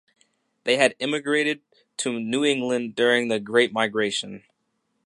They had emigrated to New England during the Great Migration.